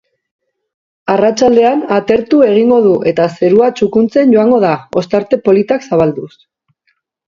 Arratsaldean atertu egingo du eta zerua txukuntzen joango da, ostarte politak zabalduz.